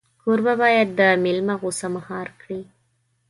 کوربه باید د مېلمه غوسه مهار کړي.